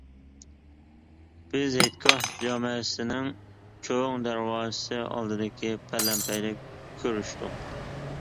بىز ھېيتگاھ جامەسىنىڭ چوڭ دەرۋازىسى ئالدىدىكى پەلەمپەيدە كۆرۈشتۇق.